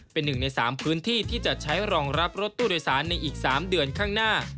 เป็นหนึ่งใน๓พื้นที่ที่จะใช้รองรับรถตู้โดยสารในอีก๓เดือนข้างหน้า